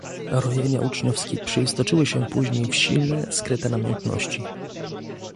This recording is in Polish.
"Rojenia uczniowskie przeistoczyły się później w silne, skryte namiętności."